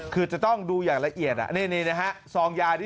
คือจะต้องดูอย่างละเอียดนี่นะฮะ